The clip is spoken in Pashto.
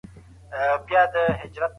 که لارښود موجود و نو لاره نه ورکېده.